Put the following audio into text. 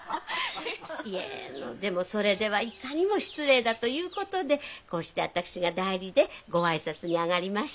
でもそれではいかにも失礼だということでこうして私が代理でご挨拶に上がりました。